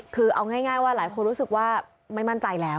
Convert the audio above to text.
คือเอาง่ายว่าหลายคนรู้สึกว่าไม่มั่นใจแล้ว